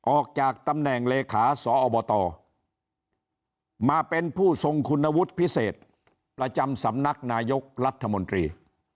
ออกจากตำแหน่งเลขาสอบตมาเป็นผู้ทรงคุณวุฒิพิเศษประจำสำนักนายกรัฐมนตรี